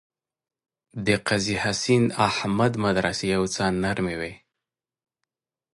د قاضي حسین احمد مدرسې یو څه نرمې وې.